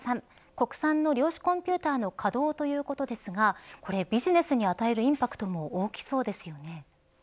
国産の量子コンピューターの稼働ということですがこれビジネスに与えるインパクトも大きそうですよね。